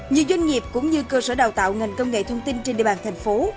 nhiều doanh nghiệp cũng như cơ sở đào tạo ngành công nghệ thông tin trên địa bàn thành phố